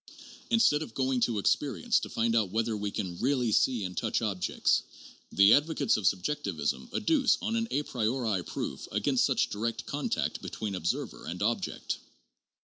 Instead of going to expe rience to find out whether we can really see and touch objects, the advocates of subjectivism adduce an a priori proof against such direct contact between observer and object.